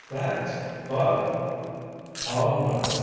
"Thanks! But—" "Oh, nothing.